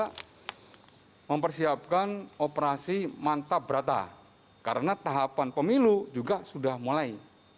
yang kedua adalah mempersiapkan operasi mantap brata karena tahapan pemilu juga sudah mulai